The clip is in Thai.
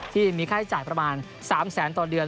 ที่มีค่าใช้จ่ายประมาณ๓๐๐๐๐๐บาทต่อเดือน